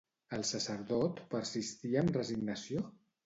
El sacerdot persistia amb resignació?